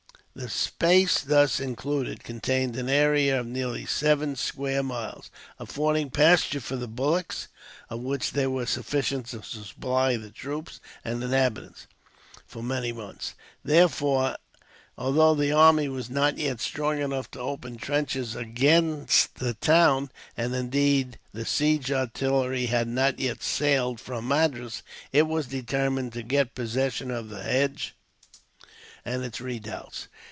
The space thus included contained an area of nearly seven square miles, affording pasture for the bullocks, of which there were sufficient to supply the troops and inhabitants for many months. Therefore, although the army was not yet strong enough to open trenches against the town, and indeed the siege artillery had not yet sailed from Madras, it was determined to get possession of the hedge and its redoubts.